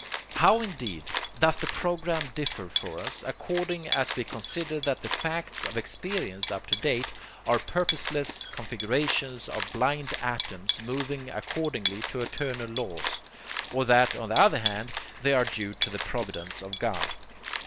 How, indeed, does the program differ for us, according as we consider that the facts of experience up to date are purposeless configurations of blind atoms moving according to eternal laws, or that on the other hand they are due to the providence of God?